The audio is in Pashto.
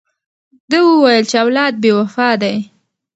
ده وویل چې اولاد بې وفا دی.